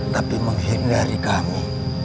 tapi menghindari kami